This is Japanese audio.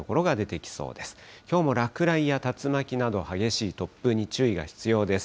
きょうも落雷や竜巻など、激しい突風に注意が必要です。